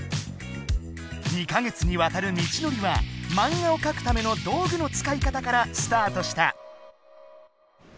２か月にわたる道のりはマンガをかくための「道具の使い方」からスタートした！